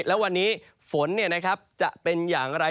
แล้ววันนี้ฝนจะเป็นอย่างไร